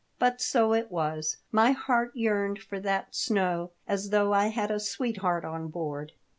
But so it was. My heart yearned for that snow as though I had a sweetheart on board.